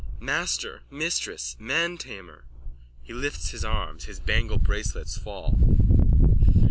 _ Master! Mistress! Mantamer! _(He lifts his arms. His bangle bracelets fall.)